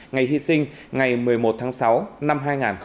ngày hy sinh ngày một mươi một tháng sáu năm hai nghìn hai mươi